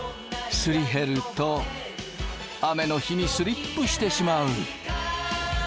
すり減ると雨の日にスリップしてしまう。